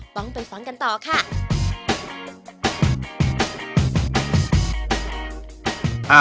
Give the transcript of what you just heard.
ต้องไปฟังกันต่อค่ะ